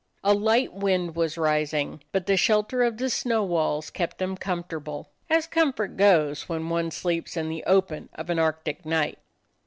A light wind was rising, but the shelter of the snow walls kept them comfortable, as comfort goes when one sleeps in the open of an Arctic night.